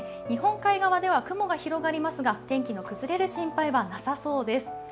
日本海側では雲が広がりますが天気の崩れる心配はなさそうです。